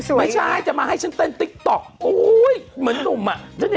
ไม่ใช่จะมาให้ฉันเต้นติ๊กต๊อกโอ้ยเหมือนหนุ่มอ่ะ